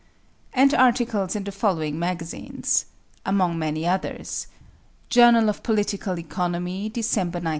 And articles in the following magazines (among many others): "Journal of Political Economy," December, 1906.